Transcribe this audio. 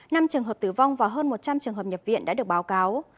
năm trường hợp tử vong và hơn một trăm linh trường hợp nhập viện đã được báo cáo